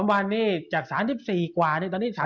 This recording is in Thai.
๒วันนี้จาก๓๔กว่าตอนนี้๓๕กว่าแล้ว